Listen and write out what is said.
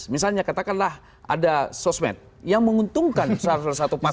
misalnya katakanlah ada sosmed yang menguntungkan salah satu pasangan